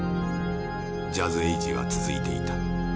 『ジャズ・エイジ』は続いていた。